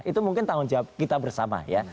itu mungkin tanggung jawab kita bersama ya